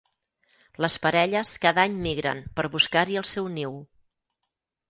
Les parelles cada any migren per buscar-hi el seu niu.